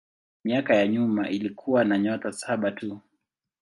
Miaka ya nyuma ilikuwa na nyota saba tu.